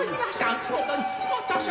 そうだ。